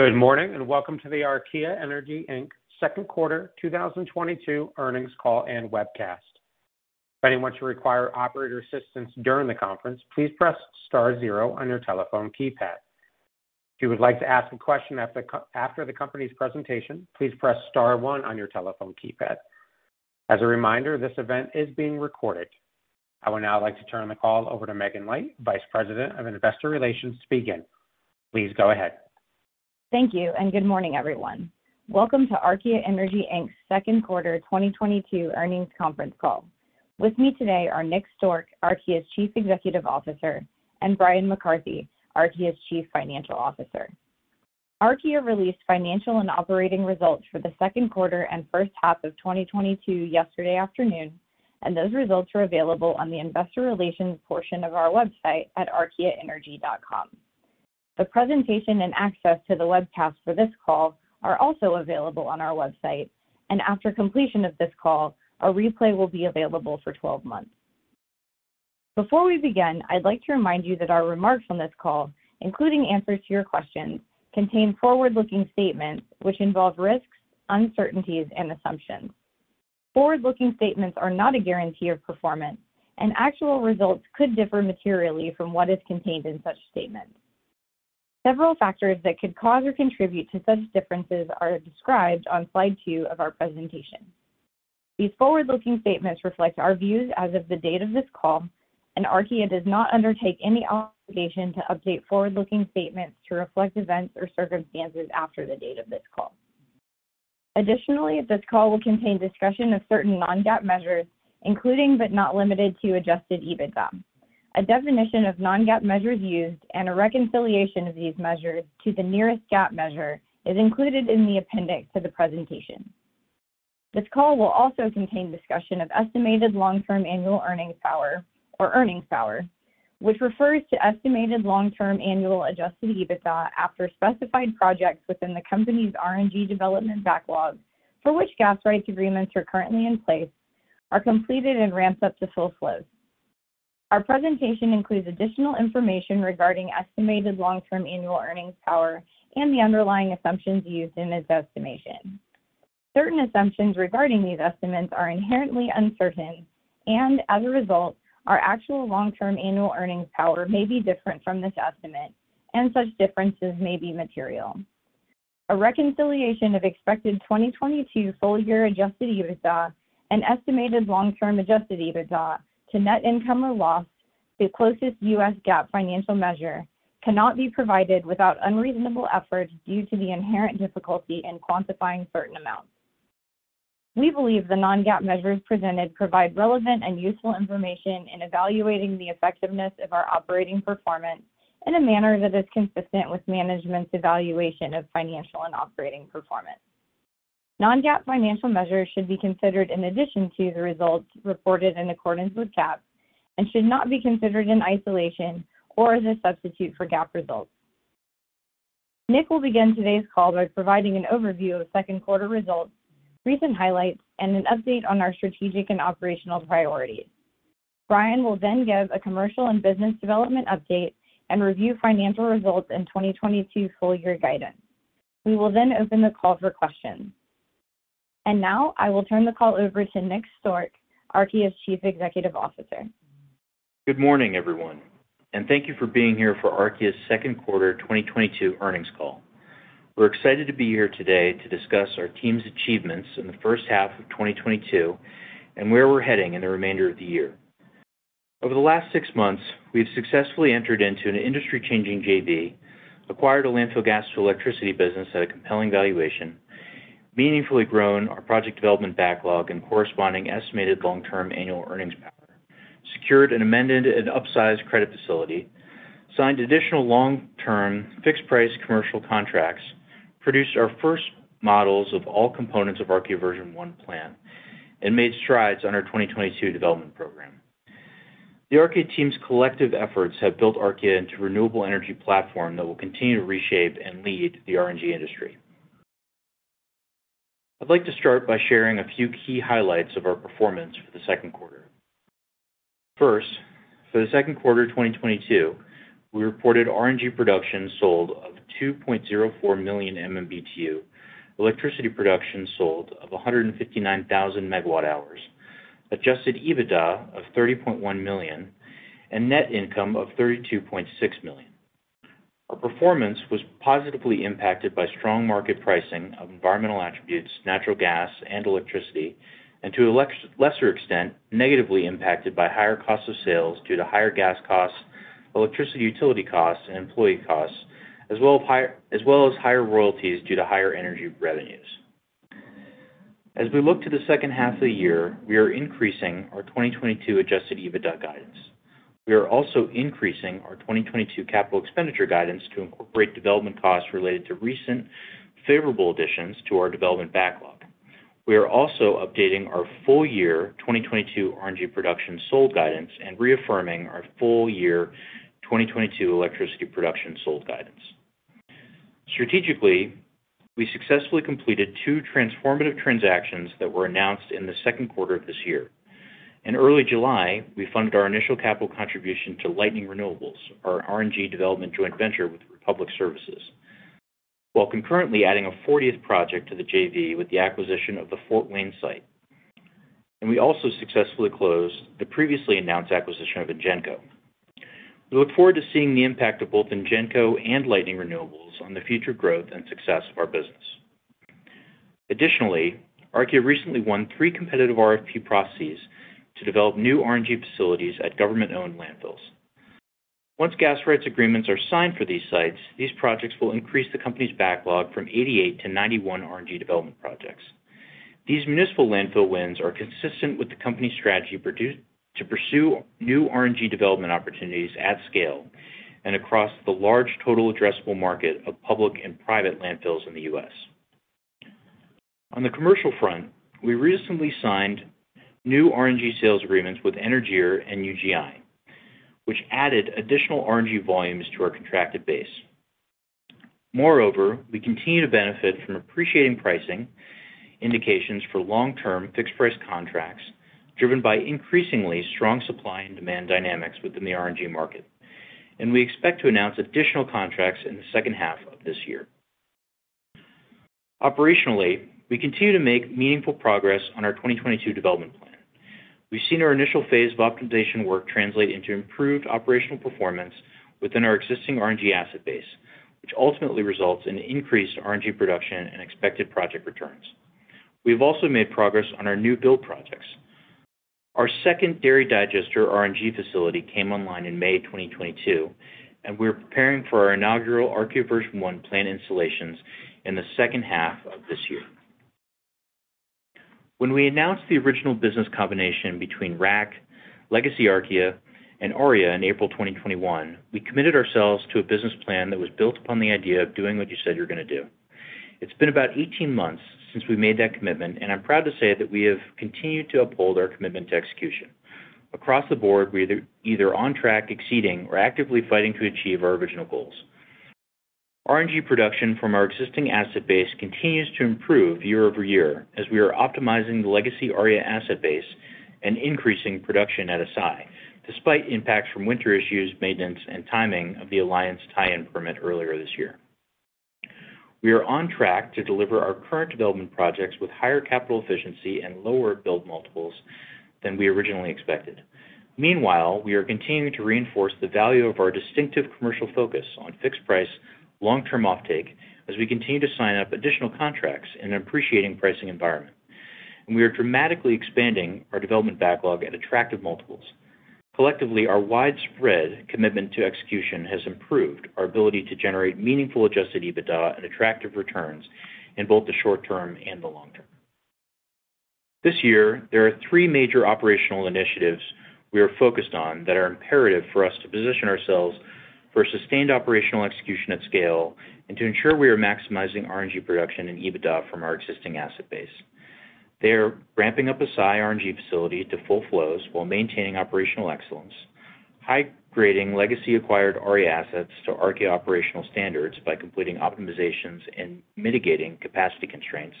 Good morning, and welcome to the Archaea Energy Inc.'s Q2 2022 earnings call and webcast. If anyone should require operator assistance during the conference, please press star zero on your telephone keypad. If you would like to ask a question after the company's presentation, please press star one on your telephone keypad. As a reminder, this event is being recorded. I would now like to turn the call over to Megan Light, Vice President of Investor Relations to begin. Please go ahead. Thank you, and good morning, everyone. Welcome to Archaea Energy Inc.'s Q2 2022 earnings conference call. With me today are Nick Stork, Archaea's Chief Executive Officer, and Brian McCarthy, Archaea's Chief Financial Officer. Archaea released financial and operating results for the Q2 and H1 of 2022 yesterday afternoon, and those results are available on the investor relations portion of our website at archaeaenergy.com. The presentation and access to the webcast for this call are also available on our website, and after completion of this call, a replay will be available for 12 months. Before we begin, I'd like to remind you that our remarks on this call, including answers to your questions, contain forward-looking statements which involve risks, uncertainties, and assumptions. Forward-looking statements are not a guarantee of performance, and actual results could differ materially from what is contained in such statements. Several factors that could cause or contribute to such differences are described on slide two of our presentation. These forward-looking statements reflect our views as of the date of this call, and Archaea does not undertake any obligation to update forward-looking statements to reflect events or circumstances after the date of this call. Additionally, this call will contain discussion of certain non-GAAP measures, including, but not limited to, adjusted EBITDA. A definition of non-GAAP measures used and a reconciliation of these measures to the nearest GAAP measure is included in the appendix to the presentation. This call will also contain discussion of estimated long-term annual earnings power or earnings power, which refers to estimated long-term annual adjusted EBITDA after specified projects within the company's RNG development backlog, for which gas rights agreements are currently in place, are completed and ramped up to full flows. Our presentation includes additional information regarding estimated long-term annual earnings power and the underlying assumptions used in this estimation. Certain assumptions regarding these estimates are inherently uncertain and, as a result, our actual long-term annual earnings power may be different from this estimate, and such differences may be material. A reconciliation of expected 2022 full year adjusted EBITDA, an estimated long-term adjusted EBITDA to net income or loss, the closest US GAAP financial measure, cannot be provided without unreasonable effort due to the inherent difficulty in quantifying certain amounts. We believe the non-GAAP measures presented provide relevant and useful information in evaluating the effectiveness of our operating performance in a manner that is consistent with management's evaluation of financial and operating performance. Non-GAAP financial measures should be considered in addition to the results reported in accordance with GAAP and should not be considered in isolation or as a substitute for GAAP results. Nick will begin today's call by providing an overview of Q2 results, recent highlights, and an update on our strategic and operational priorities. Brian will then give a commercial and business development update and review financial results in 2022 full year guidance. We will then open the call for questions. Now, I will turn the call over to Nick Stork, Archaea's Chief Executive Officer. Good morning, everyone, and thank you for being here for Archaea's Q2 2022 earnings call. We're excited to be here today to discuss our team's achievements in the H1 of 2022 and where we're heading in the remainder of the year. Over the last six months, we have successfully entered into an industry-changing JV, acquired a landfill gas to electricity business at a compelling valuation, meaningfully grown our project development backlog and corresponding estimated long-term annual earnings power, secured and amended an upsized credit facility, signed additional long-term fixed-price commercial contracts, produced our first models of all components of Archaea version one plant, and made strides on our 2022 development program. The Archaea team's collective efforts have built Archaea into renewable energy platform that will continue to reshape and lead the RNG industry. I'd like to start by sharing a few key highlights of our performance for the Q2. First, for the Q2 of 2022, we reported RNG production sold of 2.04 million MMBtu, electricity production sold of 159,000 MWh, adjusted EBITDA of $30.1 million, and net income of $32.6 million. Our performance was positively impacted by strong market pricing of environmental attributes, natural gas and electricity, and to a lesser extent, negatively impacted by higher cost of sales due to higher gas costs, electricity utility costs, and employee costs, as well as higher royalties due to higher energy revenues. As we look to the H2 of the year, we are increasing our 2022 adjusted EBITDA guidance. We are also increasing our 2022 capital expenditure guidance to incorporate development costs related to recent favorable additions to our development backlog. We are also updating our full year 2022 RNG production sold guidance and reaffirming our full year 2022 electricity production sold guidance. Strategically, we successfully completed two transformative transactions that were announced in the Q2 of this year. In early July, we funded our initial capital contribution to Lightning Renewables, our RNG development joint venture with Republic Services, while concurrently adding a 40th project to the JV with the acquisition of the Fort Wayne site. We also successfully closed the previously announced acquisition of Ingenco. We look forward to seeing the impact of both Ingenco and Lightning Renewables on the future growth and success of our business. Additionally, Archaea recently won three competitive RFP processes to develop new RNG facilities at government-owned landfills. Once gas rights agreements are signed for these sites, these projects will increase the company's backlog from 88 to 91 RNG development projects. These municipal landfill wins are consistent with the company's strategy to pursue new RNG development opportunities at scale and across the large total addressable market of public and private landfills in the U.S. On the commercial front, we recently signed new RNG sales agreements with Énergir and UGI, which added additional RNG volumes to our contracted base. Moreover, we continue to benefit from appreciating pricing indications for long-term fixed-price contracts, driven by increasingly strong supply and demand dynamics within the RNG market. We expect to announce additional contracts in the H2 of this year. Operationally, we continue to make meaningful progress on our 2022 development plan. We've seen our initial phase of optimization work translate into improved operational performance within our existing RNG asset base, which ultimately results in increased RNG production and expected project returns. We have also made progress on our new build projects. Our second dairy digester RNG facility came online in May 2022, and we are preparing for our inaugural Archaea version one plant installations in the H2 of this year. When we announced the original business combination between RAC, Legacy Archaea, and Aria in April 2021, we committed ourselves to a business plan that was built upon the idea of doing what you said you're going to do. It's been about 18 months since we made that commitment, and I'm proud to say that we have continued to uphold our commitment to execution. Across the board, we are either on track, exceeding, or actively fighting to achieve our original goals. RNG production from our existing asset base continues to improve year-over-year as we are optimizing the legacy Aria asset base and increasing production at Assai, despite impacts from winter issues, maintenance, and timing of the Alliance tie-in permit earlier this year. We are on track to deliver our current development projects with higher capital efficiency and lower build multiples than we originally expected. Meanwhile, we are continuing to reinforce the value of our distinctive commercial focus on fixed-price, long-term offtake as we continue to sign up additional contracts in an appreciating pricing environment. We are dramatically expanding our development backlog at attractive multiples. Collectively, our widespread commitment to execution has improved our ability to generate meaningful adjusted EBITDA and attractive returns in both the short term and the long term. This year, there are three major operational initiatives we are focused on that are imperative for us to position ourselves for sustained operational execution at scale and to ensure we are maximizing RNG production and EBITDA from our existing asset base. They are ramping up Assai RNG facility to full flows while maintaining operational excellence, high-grading legacy acquired Aria assets to RNG operational standards by completing optimizations and mitigating capacity constraints,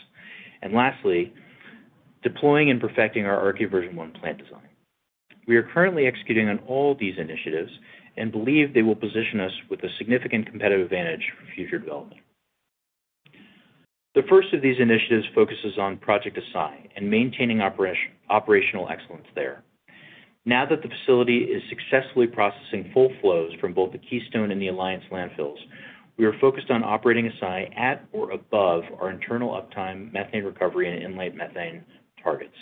and lastly, deploying and perfecting our RNG Version one plant design. We are currently executing on all these initiatives and believe they will position us with a significant competitive advantage for future development. The first of these initiatives focuses on Project Assai and maintaining operational excellence there. Now that the facility is successfully processing full flows from both the Keystone and the Alliance landfills, we are focused on operating Assai at or above our internal uptime methane recovery and inlet methane targets.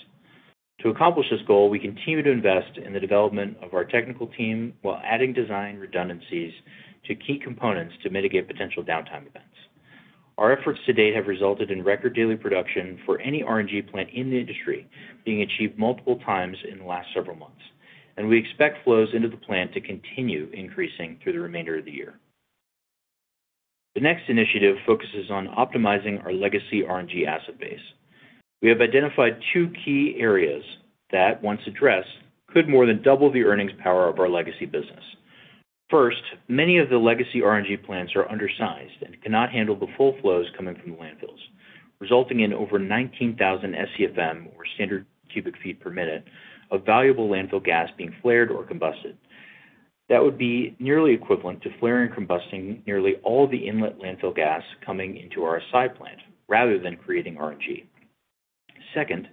To accomplish this goal, we continue to invest in the development of our technical team while adding design redundancies to key components to mitigate potential downtime events. Our efforts to date have resulted in record daily production for any RNG plant in the industry being achieved multiple times in the last several months, and we expect flows into the plant to continue increasing through the remainder of the year. The next initiative focuses on optimizing our legacy RNG asset base. We have identified two key areas that, once addressed, could more than double the earnings power of our legacy business. First, many of the legacy RNG plants are undersized and cannot handle the full flows coming from the landfills, resulting in over 19,000 SCFM, or standard cubic feet per minute, of valuable landfill gas being flared or combusted. That would be nearly equivalent to flaring and combusting nearly all the inlet landfill gas coming into our Assai plant rather than creating RNG. Second,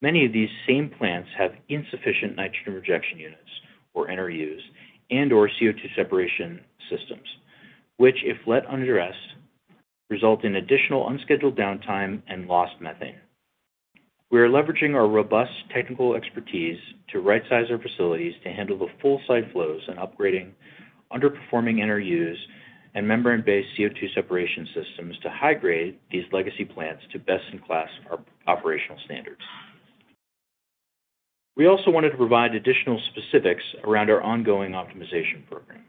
many of these same plants have insufficient nitrogen rejection units, or NRUs, and/or CO₂ separation systems, which, if left unaddressed, result in additional unscheduled downtime and lost methane. We are leveraging our robust technical expertise to rightsize our facilities to handle the full site flows and upgrading underperforming NRUs and membrane-based CO₂ separation systems to high-grade these legacy plants to best-in-class operational standards. We also wanted to provide additional specifics around our ongoing optimization program,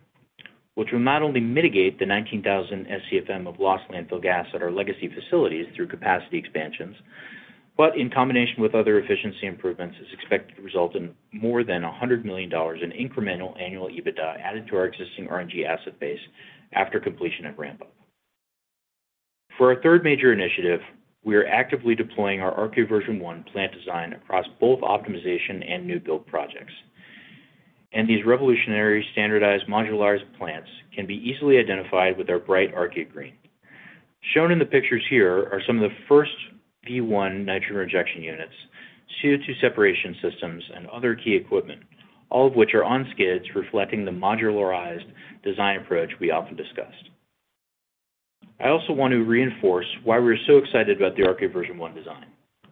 which will not only mitigate the 19,000 SCFM of lost landfill gas at our legacy facilities through capacity expansions, but in combination with other efficiency improvements, is expected to result in more than $100 million in incremental annual EBITDA added to our existing RNG asset base after completion of ramp-up. For our third major initiative, we are actively deploying our RNG version one plant design across both optimization and new build projects. These revolutionary standardized modularized plants can be easily identified with our bright RNG green. Shown in the pictures here are some of the first V1 nitrogen injection units, CO₂ separation systems, and other key equipment, all of which are on skids reflecting the modularized design approach we often discussed. I also want to reinforce why we're so excited about the RNG version one design.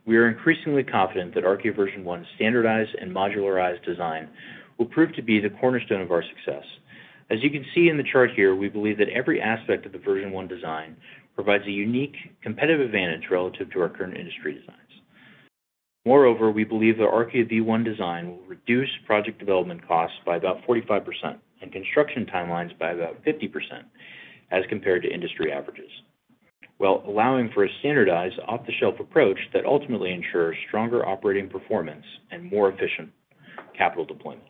We are increasingly confident that RNG version one standardized and modularized design will prove to be the cornerstone of our success. As you can see in the chart here, we believe that every aspect of the version one design provides a unique competitive advantage relative to our current industry designs. Moreover, we believe the RNG V1 design will reduce project development costs by about 45% and construction timelines by about 50% as compared to industry averages, while allowing for a standardized off-the-shelf approach that ultimately ensures stronger operating performance and more efficient capital deployment.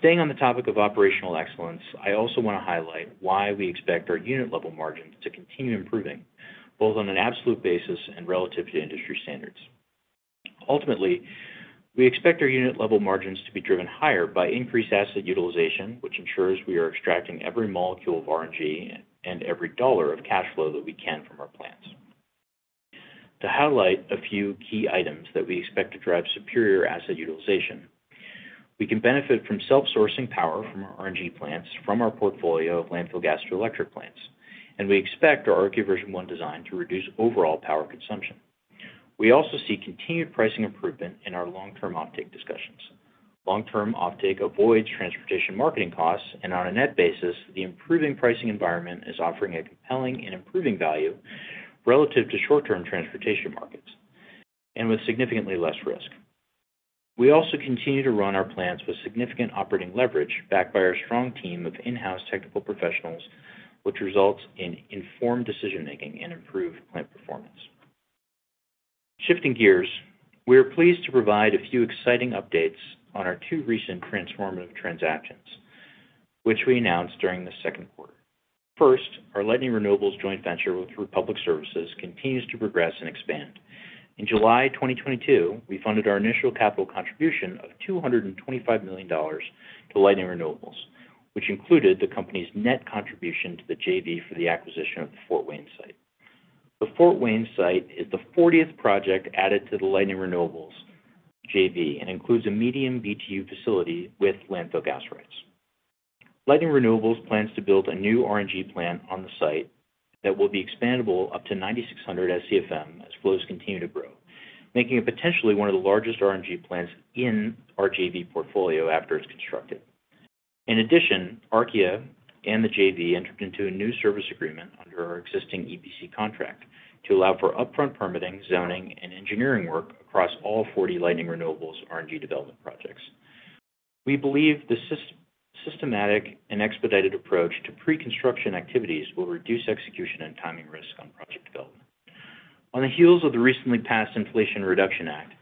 Staying on the topic of operational excellence, I also wanna highlight why we expect our unit level margin to continue improving, both on an absolute basis and relative to industry standards. Ultimately, we expect our unit level margins to be driven higher by increased asset utilization, which ensures we are extracting every molecule of RNG and every dollar of cash flow that we can from our plants. To highlight a few key items that we expect to drive superior asset utilization, we can benefit from self-sourcing power from our RNG plants from our portfolio of landfill gas to electric plants, and we expect our Archaea version one design to reduce overall power consumption. We also see continued pricing improvement in our long-term offtake discussions. Long-term offtake avoids transportation marketing costs, and on a net basis, the improving pricing environment is offering a compelling and improving value relative to short-term transportation markets, and with significantly less risk. We also continue to run our plants with significant operating leverage backed by our strong team of in-house technical professionals, which results in informed decision-making and improved plant performance. Shifting gears, we are pleased to provide a few exciting updates on our two recent transformative transactions, which we announced during the Q2. First, our Lightning Renewables joint venture with Republic Services continues to progress and expand. In July 2022, we funded our initial capital contribution of $225 million to Lightning Renewables, which included the company's net contribution to the JV for the acquisition of the Fort Wayne site. The Fort Wayne site is the fortieth project added to the Lightning Renewables JV and includes a medium BTU facility with landfill gas rights. Lightning Renewables plans to build a new RNG plant on the site that will be expandable up to 9,600 SCFM as flows continue to grow, making it potentially one of the largest RNG plants in our JV portfolio after it's constructed. In addition, RG and the JV entered into a new service agreement under our existing EPC contract to allow for upfront permitting, zoning, and engineering work across all 40 Lightning Renewables RNG development projects. We believe the systematic and expedited approach to pre-construction activities will reduce execution and timing risk on project development. On the heels of the recently passed Inflation Reduction Act,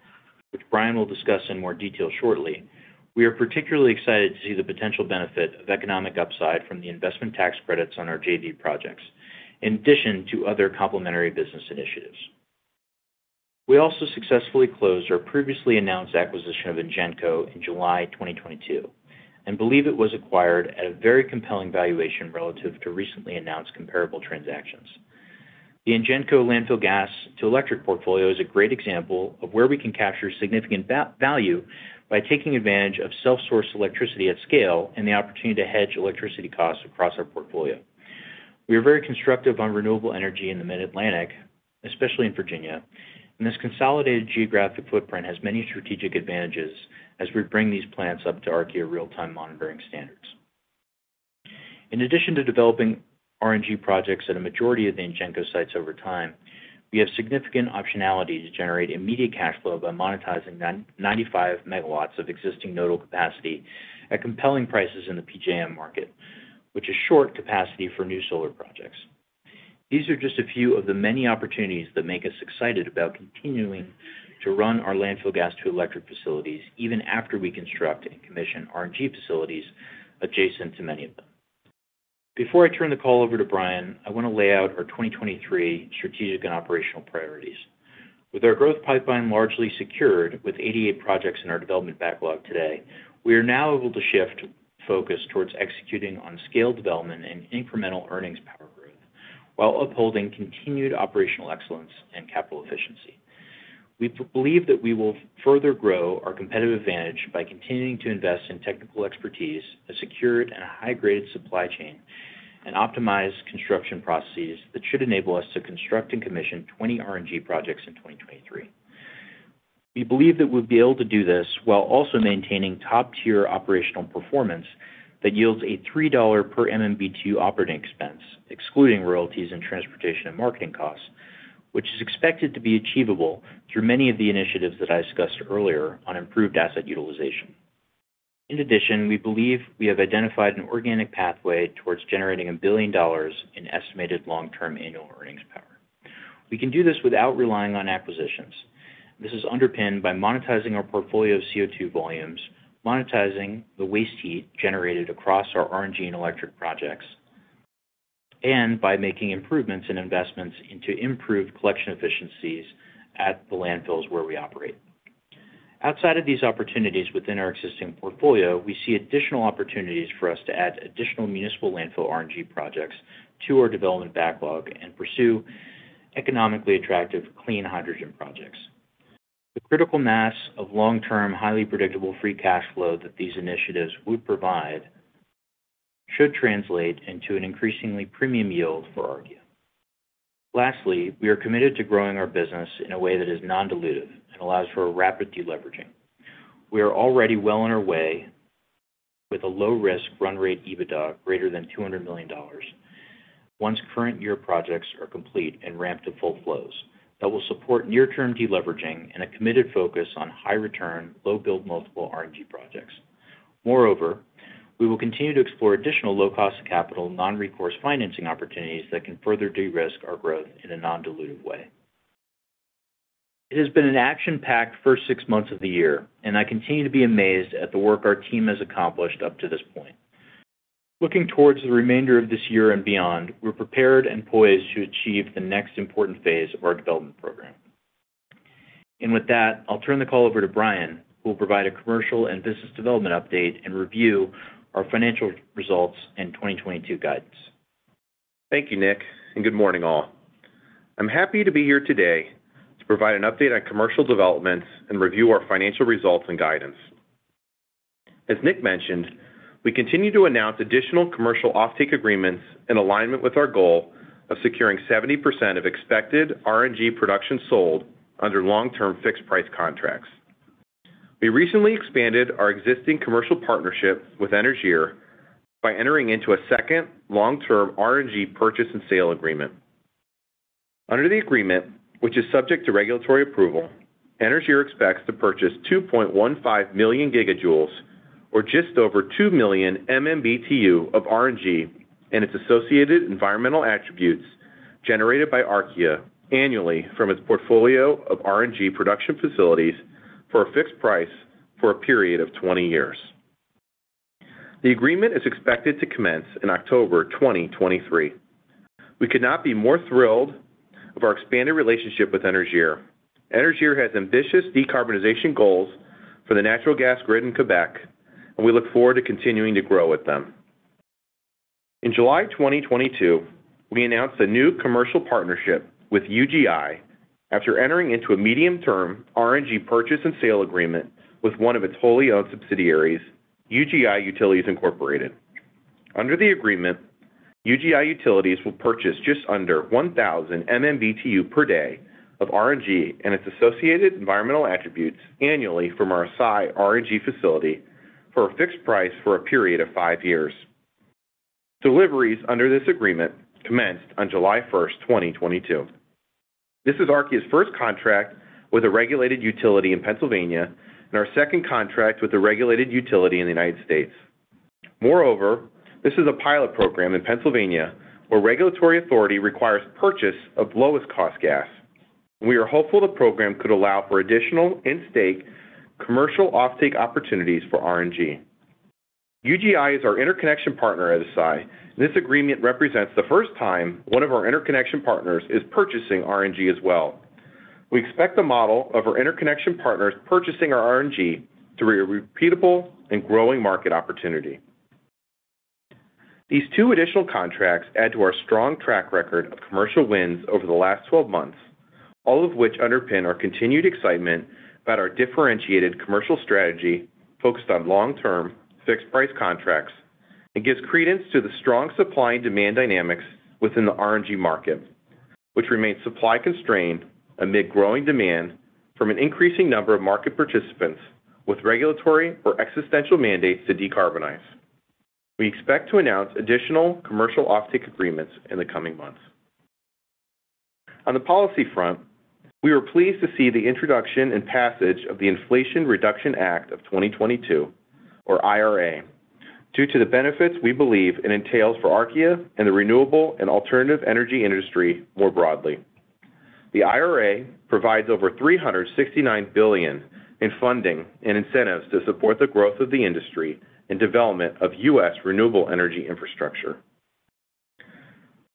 which Brian will discuss in more detail shortly, we are particularly excited to see the potential benefit of economic upside from the investment tax credits on our JV projects, in addition to other complementary business initiatives. We also successfully closed our previously announced acquisition of Ingenco in July 2022, and believe it was acquired at a very compelling valuation relative to recently announced comparable transactions. The Ingenco landfill gas to electric portfolio is a great example of where we can capture significant value by taking advantage of self-sourced electricity at scale and the opportunity to hedge electricity costs across our portfolio. We are very constructive on renewable energy in the Mid-Atlantic, especially in Virginia. This consolidated geographic footprint has many strategic advantages as we bring these plants up to RNG real-time monitoring standards. In addition to developing RNG projects at a majority of the Ingenco sites over time, we have significant optionality to generate immediate cash flow by monetizing 995 megawatts of existing nodal capacity at compelling prices in the PJM market, which is short capacity for new solar projects. These are just a few of the many opportunities that make us excited about continuing to run our landfill gas to electric facilities even after we construct and commission RNG facilities adjacent to many of them. Before I turn the call over to Brian, I want to lay out our 2023 strategic and operational priorities. With our growth pipeline largely secured with 88 projects in our development backlog today, we are now able to shift focus towards executing on scale development and incremental earnings power growth while upholding continued operational excellence and capital efficiency. We believe that we will further grow our competitive advantage by continuing to invest in technical expertise, a secured and a high-graded supply chain, and optimized construction processes that should enable us to construct and commission 20 RNG projects in 2023. We believe that we'll be able to do this while also maintaining top-tier operational performance that yields a $3 per MMBtu operating expense, excluding royalties and transportation and marketing costs, which is expected to be achievable through many of the initiatives that I discussed earlier on improved asset utilization. In addition, we believe we have identified an organic pathway towards generating $1 billion in estimated long-term annual earnings power. We can do this without relying on acquisitions. This is underpinned by monetizing our portfolio of CO₂ volumes, monetizing the waste heat generated across our RNG and electric projects, and by making improvements in investments into improved collection efficiencies at the landfills where we operate. Outside of these opportunities within our existing portfolio, we see additional opportunities for us to add additional municipal landfill RNG projects to our development backlog and pursue economically attractive clean hydrogen projects. The critical mass of long-term, highly predictable free cash flow that these initiatives would provide should translate into an increasingly premium yield for RNG. Lastly, we are committed to growing our business in a way that is non-dilutive and allows for a rapid deleveraging. We are already well on our way with a low risk run rate EBITDA greater than $200 million once current year projects are complete and ramp to full flows. That will support near term deleveraging and a committed focus on high return, low build multiple RNG projects. Moreover, we will continue to explore additional low cost of capital, non-recourse financing opportunities that can further de-risk our growth in a non-dilutive way. It has been an action-packed first six months of the year, and I continue to be amazed at the work our team has accomplished up to this point. Looking towards the remainder of this year and beyond, we're prepared and poised to achieve the next important phase of our development program. With that, I'll turn the call over to Brian, who will provide a commercial and business development update and review our financial results and 2022 guidance. Thank you, Nick, and good morning all. I'm happy to be here today to provide an update on commercial developments and review our financial results and guidance. As Nick mentioned, we continue to announce additional commercial offtake agreements in alignment with our goal of securing 70% of expected RNG production sold under long-term fixed price contracts. We recently expanded our existing commercial partnership with Énergir by entering into a second long-term RNG purchase and sale agreement. Under the agreement, which is subject to regulatory approval, Énergir expects to purchase 2.15 million gigajoules or just over 2 million MMBtu of RNG and its associated environmental attributes generated by Archaea annually from its portfolio of RNG production facilities for a fixed price for a period of 20 years. The agreement is expected to commence in October 2023. We could not be more thrilled of our expanded relationship with Énergir. Énergir has ambitious decarbonization goals for the natural gas grid in Quebec, and we look forward to continuing to grow with them. In July 2022, we announced a new commercial partnership with UGI after entering into a medium-term RNG purchase and sale agreement with one of its wholly owned subsidiaries, UGI Utilities, Inc. Under the agreement, UGI Utilities will purchase just under 1,000 MMBtu per day of RNG and its associated environmental attributes annually from our Assai RNG facility for a fixed price for a period of five years. Deliveries under this agreement commenced on July 1st, 2022. This is Archaea's first contract with a regulated utility in Pennsylvania and our second contract with a regulated utility in the United States. Moreover, this is a pilot program in Pennsylvania where regulatory authority requires purchase of lowest cost gas. We are hopeful the program could allow for additional in-state commercial offtake opportunities for RNG. UGI is our interconnection partner at Assai. This agreement represents the first time one of our interconnection partners is purchasing RNG as well. We expect the model of our interconnection partners purchasing our RNG to be a repeatable and growing market opportunity. These two additional contracts add to our strong track record of commercial wins over the last 12 months, all of which underpin our continued excitement about our differentiated commercial strategy focused on long-term fixed price contracts and gives credence to the strong supply and demand dynamics within the RNG market, which remains supply constrained amid growing demand from an increasing number of market participants with regulatory or existential mandates to decarbonize. We expect to announce additional commercial offtake agreements in the coming months. On the policy front, we were pleased to see the introduction and passage of the Inflation Reduction Act of 2022, or IRA, due to the benefits we believe it entails for Archaea and the renewable and alternative energy industry more broadly. The IRA provides over $369 billion in funding and incentives to support the growth of the industry and development of US renewable energy infrastructure.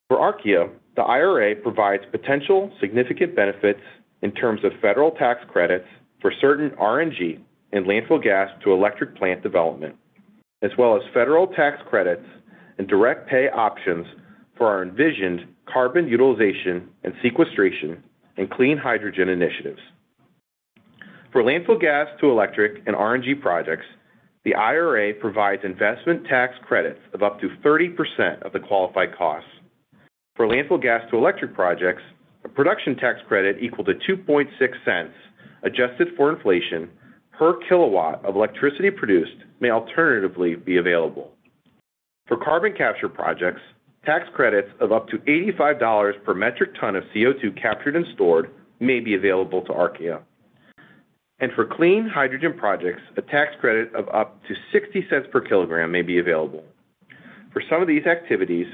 For Archaea, the IRA provides potential significant benefits in terms of federal tax credits for certain RNG and landfill gas to electric plant development, as well as federal tax credits and direct pay options for our envisioned carbon utilization and sequestration and clean hydrogen initiatives. For landfill gas to electric and RNG projects, the IRA provides investment tax credits of up to 30% of the qualified costs. For landfill gas to electric projects, a production tax credit equal to $0.026 adjusted for inflation per kilowatt of electricity produced may alternatively be available. For carbon capture projects, tax credits of up to $85 per metric ton of CO₂ captured and stored may be available to Archaea. For clean hydrogen projects, a tax credit of up to $0.60 per kilogram may be available. For some of these activities,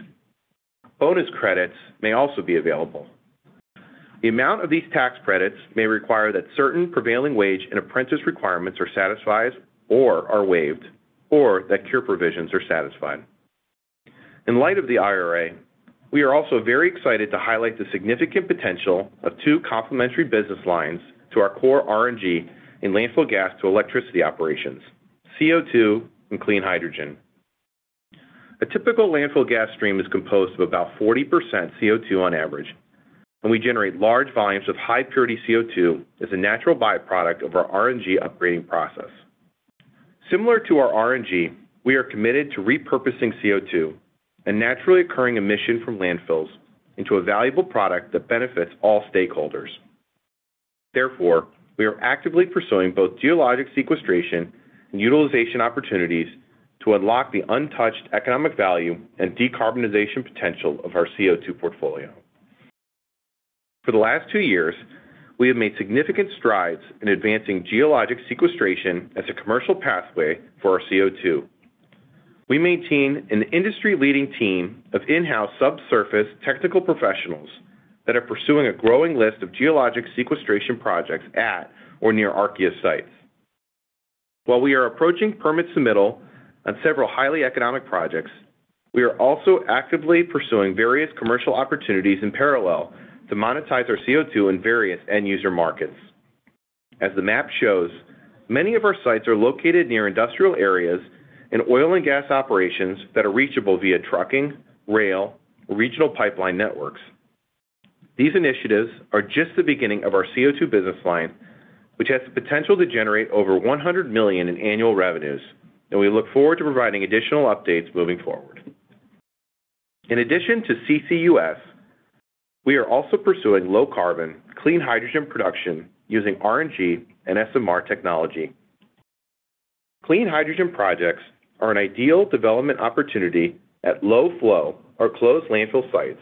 bonus credits may also be available. The amount of these tax credits may require that certain prevailing wage and apprentice requirements are satisfied or are waived, or that cure provisions are satisfied. In light of the IRA, we are also very excited to highlight the significant potential of two complementary business lines to our core RNG in landfill gas to electricity operations, CO₂ and clean hydrogen. A typical landfill gas stream is composed of about 40% CO₂ on average, and we generate large volumes of high purity CO₂ as a natural byproduct of our RNG upgrading process. Similar to our RNG, we are committed to repurposing CO₂, a naturally occurring emission from landfills, into a valuable product that benefits all stakeholders. Therefore, we are actively pursuing both geologic sequestration and utilization opportunities to unlock the untouched economic value and decarbonization potential of our CO₂ portfolio. For the last two years, we have made significant strides in advancing geologic sequestration as a commercial pathway for our CO₂. We maintain an industry-leading team of in-house subsurface technical professionals that are pursuing a growing list of geologic sequestration projects at or near Archaea sites. While we are approaching permit submittal on several highly economic projects, we are also actively pursuing various commercial opportunities in parallel to monetize our CO₂ in various end user markets. As the map shows, many of our sites are located near industrial areas in oil and gas operations that are reachable via trucking, rail, or regional pipeline networks. These initiatives are just the beginning of our CO₂ business line, which has the potential to generate over $100 million in annual revenues, and we look forward to providing additional updates moving forward. In addition to CCUS, we are also pursuing low carbon clean hydrogen production using RNG and SMR technology. Clean hydrogen projects are an ideal development opportunity at low flow or closed landfill sites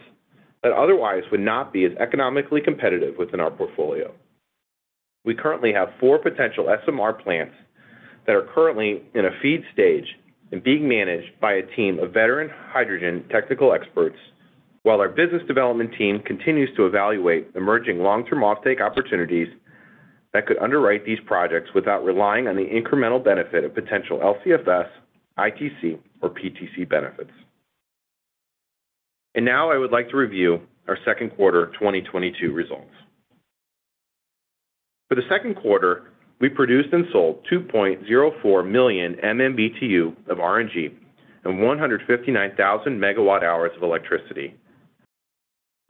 that otherwise would not be as economically competitive within our portfolio. We currently have four potential SMR plants that are currently in a feed stage and being managed by a team of veteran hydrogen technical experts, while our business development team continues to evaluate emerging long-term offtake opportunities that could underwrite these projects without relying on the incremental benefit of potential LCFS, ITC, or PTC benefits. Now I would like to review our Q2 2022 results. For the Q2, we produced and sold 2.04 million MMBtu of RNG and 159,000 MWh of electricity.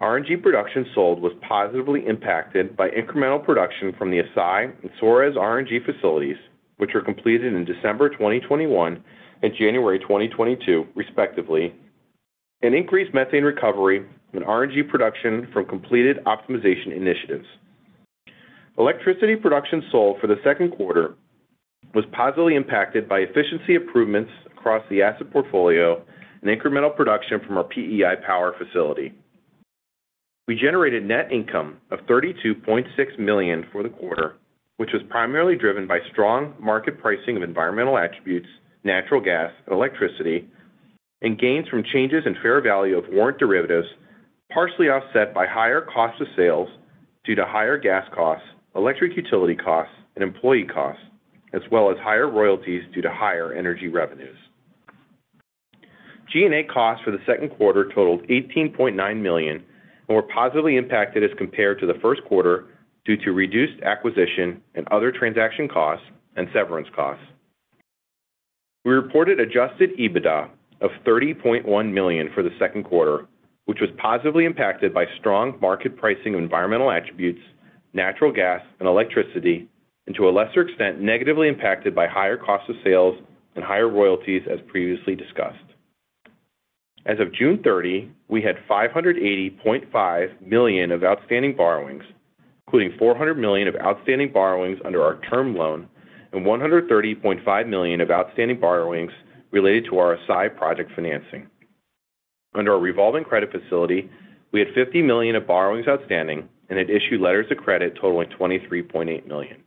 RNG production sold was positively impacted by incremental production from the Assai and Soares RNG facilities, which were completed in December 2021 and January 2022 respectively, and increased methane recovery and RNG production from completed optimization initiatives. Electricity production sold for the Q2 was positively impacted by efficiency improvements across the asset portfolio and incremental production from our PEI Power facility. We generated net income of $32.6 million for the quarter, which was primarily driven by strong market pricing of environmental attributes, natural gas and electricity, and gains from changes in fair value of warrant derivatives, partially offset by higher cost of sales due to higher gas costs, electric utility costs and employee costs, as well as higher royalties due to higher energy revenues. G&A costs for the Q2 totaled $18.9 million and were positively impacted as compared to the Q1 due to reduced acquisition and other transaction costs and severance costs. We reported adjusted EBITDA of $30.1 million for the Q2, which was positively impacted by strong market pricing of environmental attributes, natural gas and electricity, and to a lesser extent, negatively impacted by higher cost of sales and higher royalties as previously discussed. As of June 30, we had $580.5 million of outstanding borrowings, including $400 million of outstanding borrowings under our term loan and $130.5 million of outstanding borrowings related to our Assai project financing. Under our revolving credit facility, we had $50 million of borrowings outstanding and had issued letters of credit totaling $23.8 million.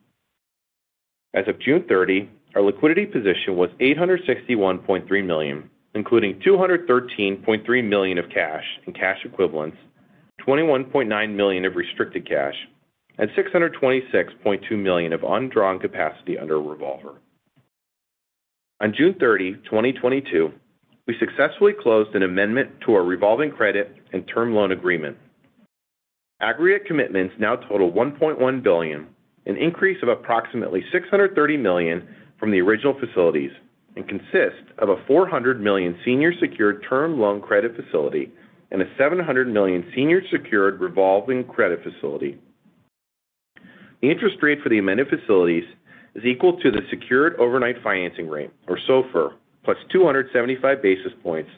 As of June 30, our liquidity position was $861.3 million, including $213.3 million of cash and cash equivalents, $21.9 million of restricted cash, and $626.2 million of undrawn capacity under a revolver. On June 30, 2022, we successfully closed an amendment to our revolving credit and term loan agreement. Aggregate commitments now total $1.1 billion, an increase of approximately $630 million from the original facilities, and consist of a $400 million senior secured term loan credit facility and a $700 million senior secured revolving credit facility. The interest rate for the amended facilities is equal to the secured overnight financing rate, or SOFR, plus 275 basis points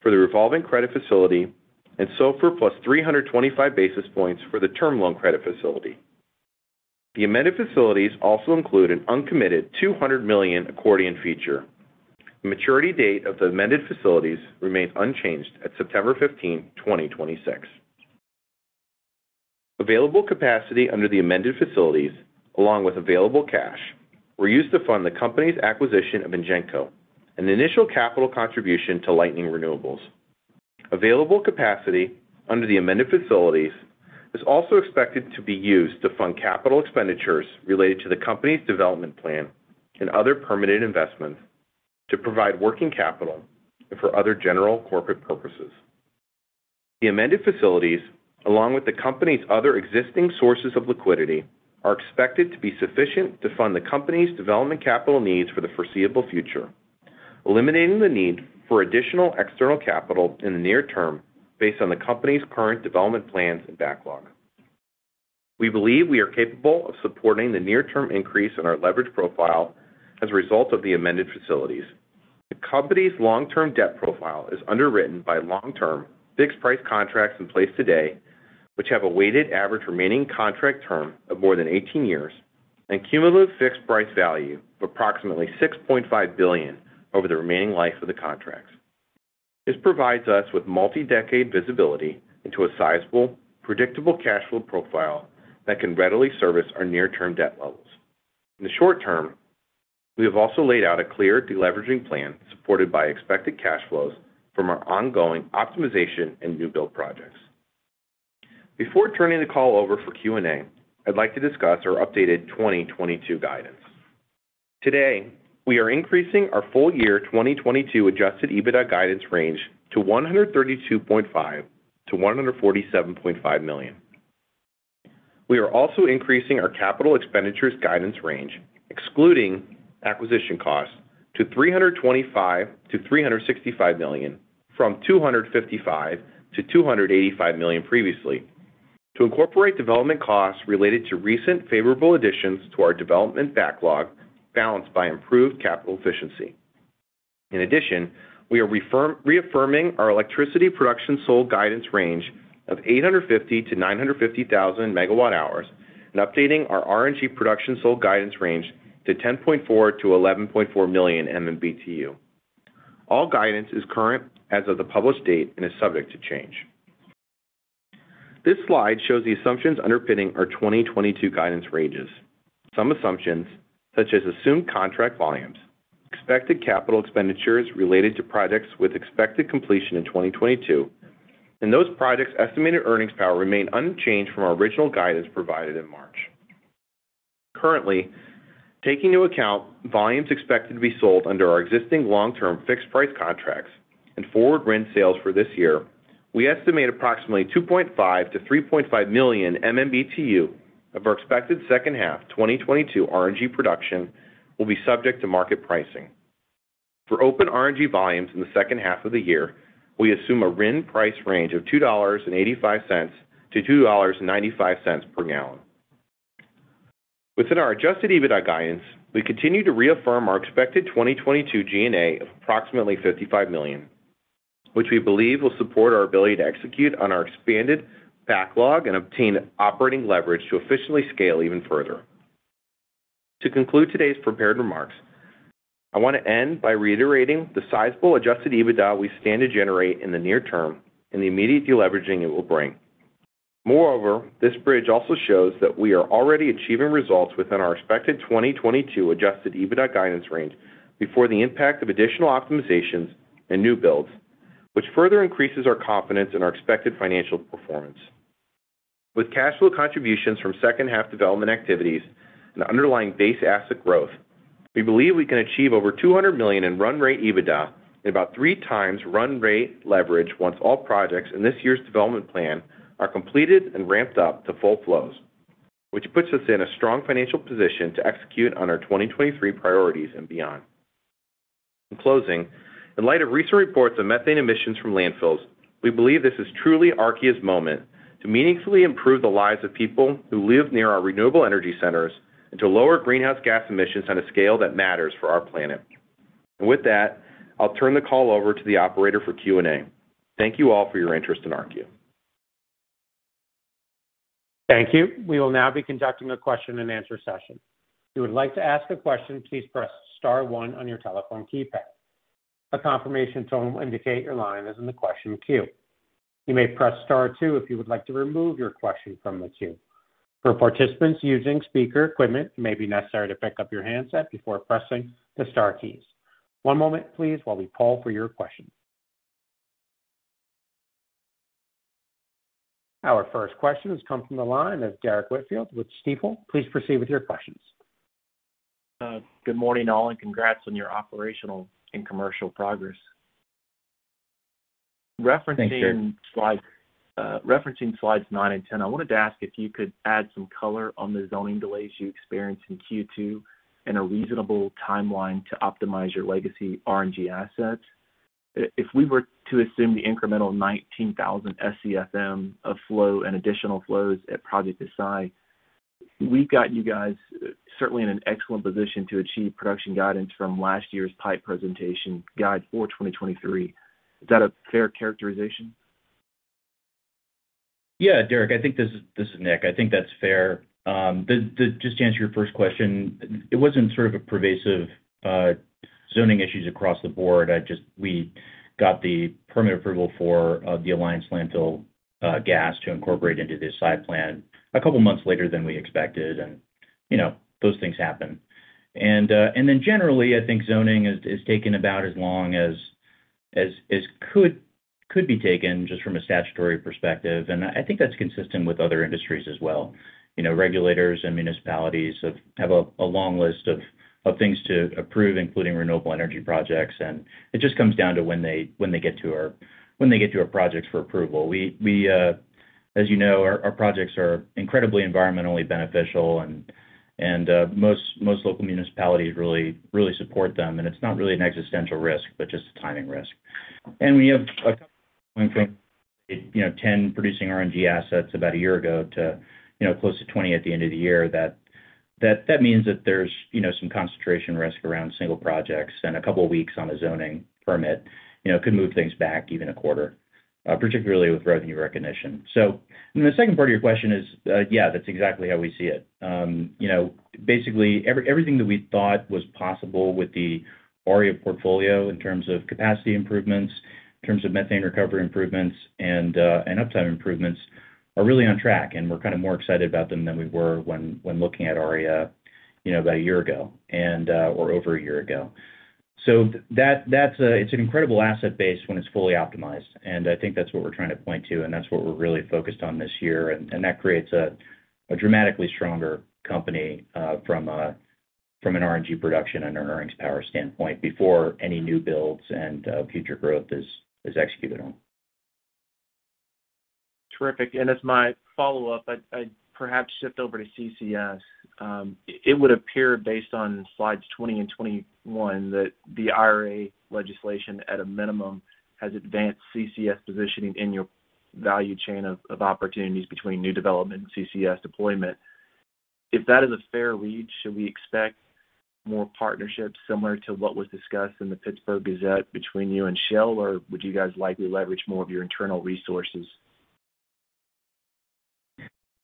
for the revolving credit facility and SOFR plus 325 basis points for the term loan credit facility. The amended facilities also include an uncommitted $200 million accordion feature. The maturity date of the amended facilities remains unchanged at September 15, 2026. Available capacity under the amended facilities, along with available cash, were used to fund the company's acquisition of Ingenco, an initial capital contribution to Lightning Renewables. Available capacity under the amended facilities is also expected to be used to fund capital expenditures related to the company's development plan and other permanent investments to provide working capital and for other general corporate purposes. The amended facilities, along with the company's other existing sources of liquidity, are expected to be sufficient to fund the company's development capital needs for the foreseeable future, eliminating the need for additional external capital in the near term based on the company's current development plans and backlog. We believe we are capable of supporting the near-term increase in our leverage profile as a result of the amended facilities. The company's long-term debt profile is underwritten by long-term fixed-price contracts in place today, which have a weighted average remaining contract term of more than 18 years and cumulative fixed price value of approximately $6.5 billion over the remaining life of the contracts. This provides us with multi-decade visibility into a sizable, predictable cash flow profile that can readily service our near-term debt levels. In the short term, we have also laid out a clear deleveraging plan supported by expected cash flows from our ongoing optimization and new build projects. Before turning the call over for Q&A, I'd like to discuss our updated 2022 guidance. Today, we are increasing our full-year 2022 adjusted EBITDA guidance range to $132.5-147.5 million. We are also increasing our capital expenditures guidance range, excluding acquisition costs, to $325-365 million, from $255-285 million previously, to incorporate development costs related to recent favorable additions to our development backlog balanced by improved capital efficiency. In addition, we are reaffirming our electricity production sold guidance range of 850-950 thousand megawatt hours and updating our RNG production sold guidance range to 10.4-11.4 million MMBtu. All guidance is current as of the published date and is subject to change. This slide shows the assumptions underpinning our 2022 guidance ranges. Some assumptions, such as assumed contract volumes, expected capital expenditures related to projects with expected completion in 2022, and those projects' estimated earnings power remain unchanged from our original guidance provided in March. Currently, taking into account volumes expected to be sold under our existing long-term fixed-price contracts and forward RIN sales for this year, we estimate approximately 2.5-3.5 million MMBtu of our expected H2 2022 RNG production will be subject to market pricing. For open RNG volumes in the H2 of the year, we assume a RIN price range of $2.85-2.95 per gallon. Within our adjusted EBITDA guidance, we continue to reaffirm our expected 2022 G&A of approximately $55 million, which we believe will support our ability to execute on our expanded backlog and obtain operating leverage to efficiently scale even further. To conclude today's prepared remarks, I want to end by reiterating the sizable adjusted EBITDA we stand to generate in the near term and the immediate deleveraging it will bring. Moreover, this bridge also shows that we are already achieving results within our expected 2022 adjusted EBITDA guidance range before the impact of additional optimizations and new builds, which further increases our confidence in our expected financial performance. With cash flow contributions from H2 development activities and underlying base asset growth, we believe we can achieve over $200 million in run rate EBITDA and about 3x run rate leverage once all projects in this year's development plan are completed and ramped up to full flows, which puts us in a strong financial position to execute on our 2023 priorities and beyond. In closing, in light of recent reports of methane emissions from landfills, we believe this is truly Archaea's moment to meaningfully improve the lives of people who live near our renewable energy centers and to lower greenhouse gas emissions on a scale that matters for our planet. With that, I'll turn the call over to the operator for Q&A. Thank you all for your interest in Archaea. Thank you. We will now be conducting a question-and-answer session. If you would like to ask a question, please press star one on your telephone keypad. A confirmation tone will indicate your line is in the question queue. You may press star two if you would like to remove your question from the queue. For participants using speaker equipment, it may be necessary to pick up your handset before pressing the star keys. One moment, please, while we poll for your question. Our first question has come from the line of Derrick Whitfield with Stifel. Please proceed with your questions. Good morning, all, and congrats on your operational and commercial progress. Referencing slides nine and 10, I wanted to ask if you could add some color on the zoning delays you experienced in Q2 and a reasonable timeline to optimize your legacy RNG assets. If we were to assume the incremental 19,000 SCFM of flow and additional flows at Project Assai, we've got you guys certainly in an excellent position to achieve production guidance from last year's pipe presentation guide for 2023. Is that a fair characterization? Yeah, Derrick, I think this is Nick. I think that's fair. Just to answer your first question, it wasn't sort of a pervasive zoning issues across the board. We got the permit approval for the Alliance Landfill gas to incorporate into this site plan a couple of months later than we expected and, you know, those things happen. Then generally, I think zoning has taken about as long as could be taken just from a statutory perspective. I think that's consistent with other industries as well. You know, regulators and municipalities have a long list of things to approve, including renewable energy projects. It just comes down to when they get to our projects for approval. We as you know, our projects are incredibly environmentally beneficial and most local municipalities really support them. It's not really an existential risk, but just a timing risk. We have a couple of things, you know, 10 producing RNG assets about a year ago to, you know, close to 20 at the end of the year. That means that there's, you know, some concentration risk around single projects and a couple of weeks on a zoning permit, you know, could move things back even a quarter, particularly with revenue recognition. And the second part of your question is, yeah, that's exactly how we see it. You know, basically everything that we thought was possible with the Aria portfolio in terms of capacity improvements, in terms of methane recovery improvements and uptime improvements are really on track, and we're kind of more excited about them than we were when looking at Aria, you know, about a year ago or over a year ago. That's an incredible asset base when it's fully optimized, and I think that's what we're trying to point to, and that's what we're really focused on this year. That creates a dramatically stronger company from an RNG production and earnings power standpoint before any new builds and future growth is executed on. Terrific. As my follow-up, I'd perhaps shift over to CCS. It would appear based on slides 20 and 21 that the IRA legislation at a minimum has advanced CCS positioning in your value chain of opportunities between new development and CCS deployment. If that is a fair read, should we expect more partnerships similar to what was discussed in the Pittsburgh Post-Gazette between you and Shell, or would you guys likely leverage more of your internal resources?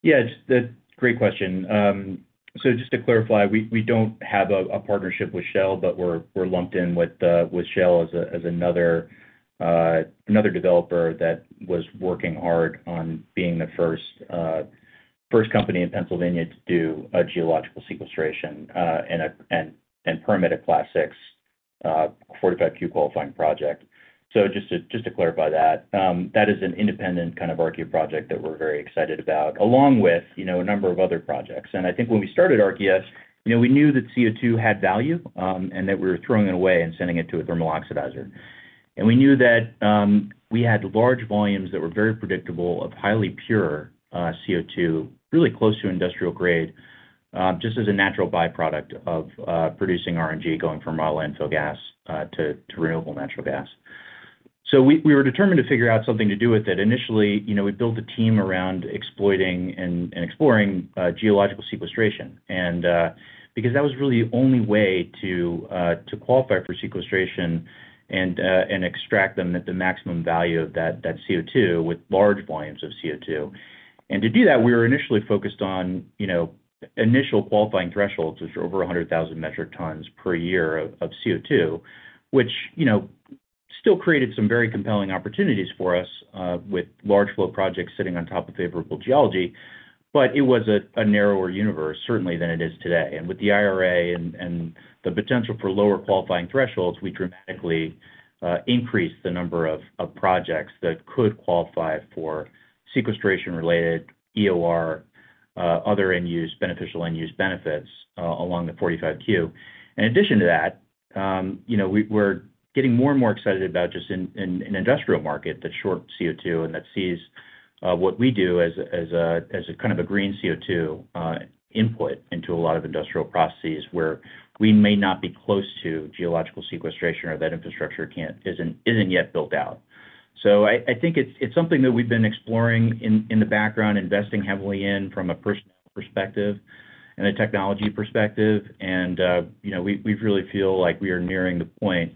Yes, that's a great question. So just to clarify, we don't have a partnership with Shell, but we're lumped in with Shell as another developer that was working hard on being the first company in Pennsylvania to do a geological sequestration and permit a Class VI 45Q qualifying project. So just to clarify that is an independent kind of Archaea project that we're very excited about, along with, you know, a number of other projects. I think when we started Archaea, you know, we knew that CO₂ had value and that we were throwing it away and sending it to a thermal oxidizer. We knew that we had large volumes that were very predictable of highly pure CO₂, really close to industrial grade, just as a natural byproduct of producing RNG, going from model landfill gas to renewable natural gas. We were determined to figure out something to do with it. Initially, you know, we built a team around exploiting and exploring geological sequestration. Because that was really the only way to qualify for sequestration and extract them at the maximum value of that CO₂ with large volumes of CO₂. To do that, we were initially focused on, you know, initial qualifying thresholds, which are over 100,000 metric tons per year of CO₂, which, you know, still created some very compelling opportunities for us with large flow projects sitting on top of favorable geology. It was a narrower universe certainly than it is today. With the IRA and the potential for lower qualifying thresholds, we dramatically increased the number of projects that could qualify for sequestration-related EOR, other end use, beneficial end use benefits, along the 45Q. In addition to that, you know, we're getting more and more excited about just an industrial market that's short CO₂ and that sees what we do as a kind of a green CO₂ input into a lot of industrial processes where we may not be close to geological sequestration or that infrastructure isn't yet built out. I think it's something that we've been exploring in the background, investing heavily in from a personal perspective and a technology perspective. You know, we really feel like we are nearing the point,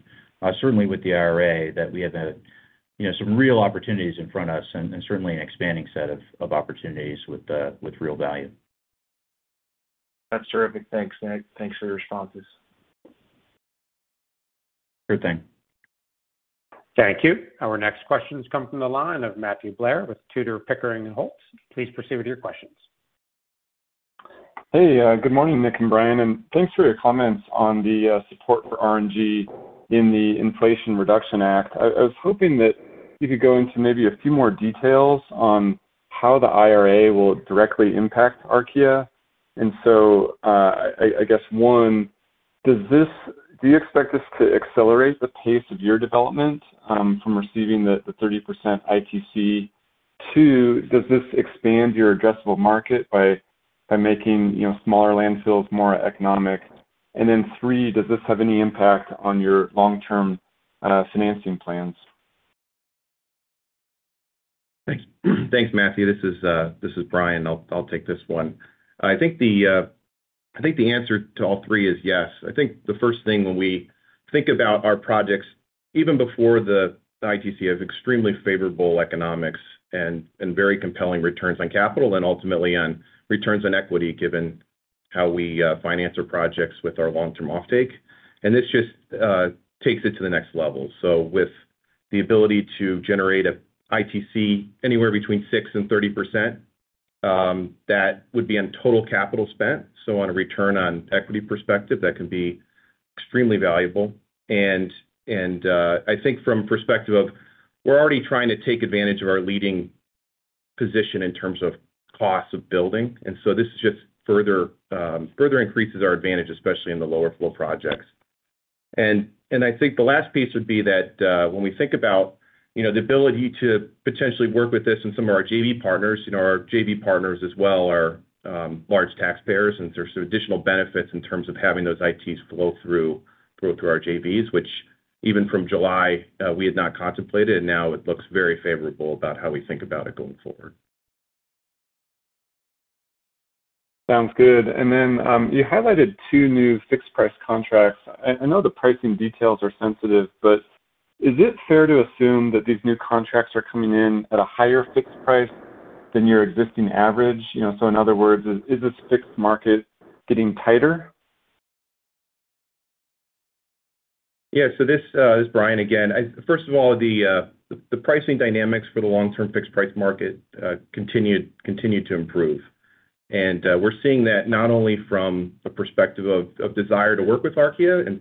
certainly with the IRA, that we have some real opportunities in front of us and certainly an expanding set of opportunities with real value. That's terrific. Thanks, Nick. Thanks for your responses. Sure thing. Thank you. Our next question comes from the line of Matthew Blair with Tudor, Pickering, Holt & Co. Please proceed with your questions. Hey, good morning, Nick and Brian, and thanks for your comments on the support for RNG in the Inflation Reduction Act. I was hoping that you could go into maybe a few more details on how the IRA will directly impact Archaea. I guess, one, do you expect this to accelerate the pace of your development from receiving the 30% ITC? Two, does this expand your addressable market by making you know, smaller landfills more economic? Three, does this have any impact on your long-term financing plans? Thanks. Thanks, Matthew. This is Brian. I'll take this one. I think the answer to all three is yes. I think the first thing when we think about our projects, even before the ITC, is extremely favorable economics and very compelling returns on capital and ultimately on return on equity given how we finance our projects with our long-term offtake. This just takes it to the next level. With the ability to generate an ITC anywhere between 6%-30%, that would be on total capital spent. On a return on equity perspective, that can be extremely valuable. I think from the perspective of we're already trying to take advantage of our leading position in terms of cost of building. This just further increases our advantage, especially in the lower flow projects. I think the last piece would be that, when we think about, you know, the ability to potentially work with this and some of our JV partners, you know, our JV partners as well are large taxpayers, and there's some additional benefits in terms of having those ITCs flow through our JVs, which even from July, we had not contemplated, and now it looks very favorable about how we think about it going forward. Sounds good. You highlighted two new fixed-price contracts. I know the pricing details are sensitive, but is it fair to assume that these new contracts are coming in at a higher fixed price than your existing average? You know, in other words, is this fixed market getting tighter? Yeah. This is Brian again. First of all, the pricing dynamics for the long-term fixed price market continue to improve. We're seeing that not only from the perspective of desire to work with Archaea.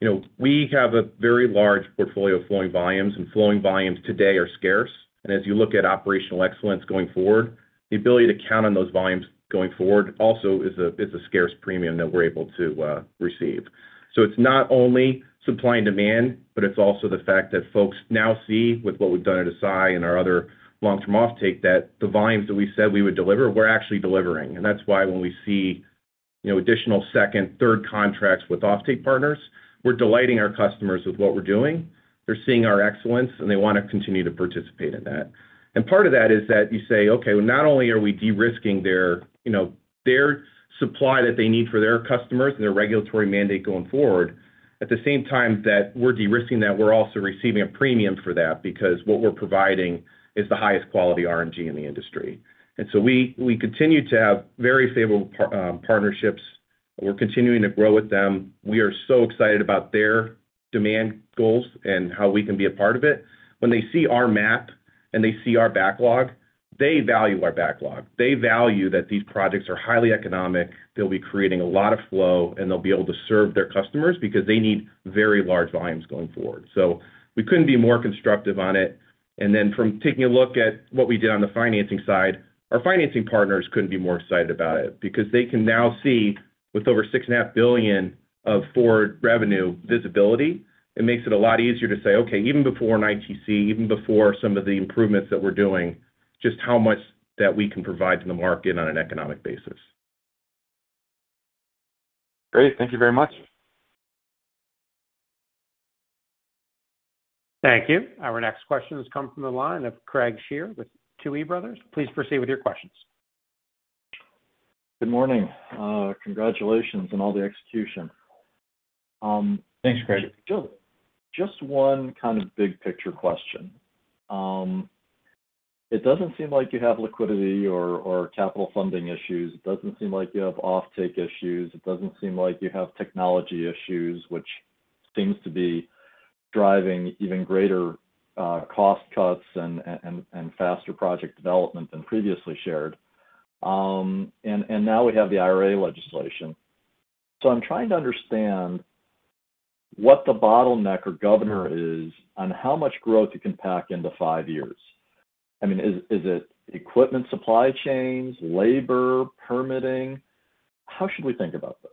You know, we have a very large portfolio of flowing volumes, and flowing volumes today are scarce. As you look at operational excellence going forward, the ability to count on those volumes going forward also is a scarce premium that we're able to receive. It's not only supply and demand, but it's also the fact that folks now see with what we've done at Assai and our other long-term offtake that the volumes that we said we would deliver, we're actually delivering. That's why when we see, you know, additional second, third contracts with offtake partners, we're delighting our customers with what we're doing. They're seeing our excellence, and they wanna continue to participate in that. Part of that is that you say, okay, well, not only are we de-risking their, you know, their supply that they need for their customers and their regulatory mandate going forward, at the same time that we're de-risking that, we're also receiving a premium for that because what we're providing is the highest quality RNG in the industry. We continue to have very stable partnerships. We're continuing to grow with them. We are so excited about their demand goals and how we can be a part of it. When they see our map and they see our backlog, they value our backlog. They value that these projects are highly economic. They'll be creating a lot of flow, and they'll be able to serve their customers because they need very large volumes going forward. We couldn't be more constructive on it. From taking a look at what we did on the financing side, our financing partners couldn't be more excited about it because they can now see with over $6.5 billion of forward revenue visibility, it makes it a lot easier to say, okay, even before an ITC, even before some of the improvements that we're doing, just how much that we can provide to the market on an economic basis. Great. Thank you very much. Thank you. Our next question has come from the line of Craig Shere with Tuohy Brothers. Please proceed with your questions. Good morning. Congratulations on all the execution. Thanks, Craig. Just one kind of big picture question. It doesn't seem like you have liquidity or capital funding issues. It doesn't seem like you have offtake issues. It doesn't seem like you have technology issues, which seems to be driving even greater cost cuts and faster project development than previously shared. Now we have the IRA legislation. I'm trying to understand what the bottleneck or governor is on how much growth you can pack into five years. I mean, is it equipment supply chains, labor, permitting? How should we think about this?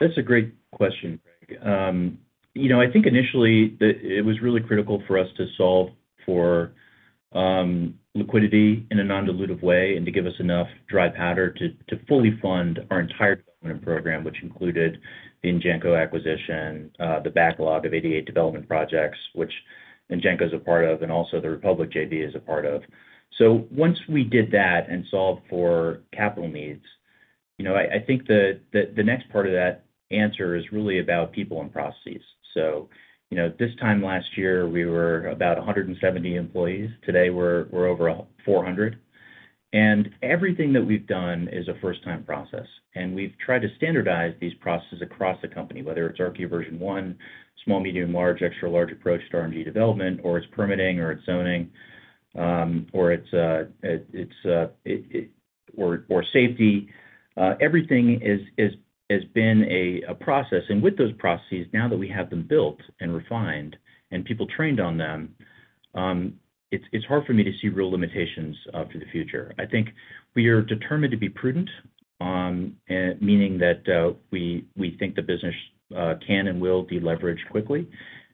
That's a great question, Craig. You know, I think initially it was really critical for us to solve for liquidity in a non-dilutive way and to give us enough dry powder to fully fund our entire development program, which included the Ingenco acquisition, the backlog of Archaea development projects, which Ingenco is a part of and also the Republic JV is a part of. Once we did that and solved for capital needs, you know, I think the next part of that answer is really about people and processes. You know, this time last year, we were about 170 employees. Today, we're over 400. Everything that we've done is a first-time process, and we've tried to standardize these processes across the company, whether it's Archaea version one, small, medium, large, extra-large approach to RNG development, or permitting or zoning, or safety. Everything has been a process. With those processes, now that we have them built and refined and people trained on them, it's hard for me to see real limitations for the future. I think we are determined to be prudent, meaning that we think the business can and will deleverage quickly.